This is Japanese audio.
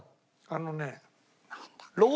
あのね。